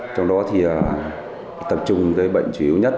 trong đó thì tập trung cái bệnh chủ yếu nhất